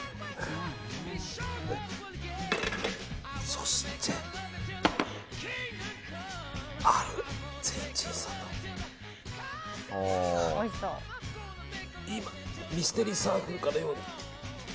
そして、アルゼンチン産のエビが今ミステリーサークルかのように。